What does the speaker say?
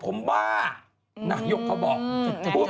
เพราะวันนี้หล่อนแต่งกันได้ยังเป็นสวย